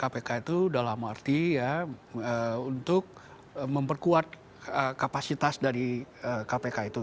kpk itu dalam arti ya untuk memperkuat kapasitas dari kpk itu